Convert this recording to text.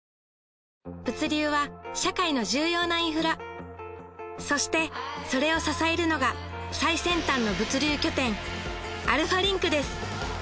物流は社会の重要なインフラそしてそれを支えるのが最先端の物流拠点アルファリンクです